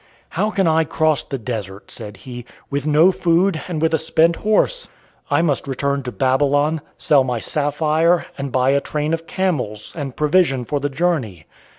"How can I cross the desert," said he, "with no food and with a spent horse? I must return to Babylon, sell my sapphire, and buy a train of camels, and provision for the journey.